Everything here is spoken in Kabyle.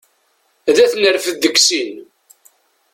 Ad t-nerfed deg sin.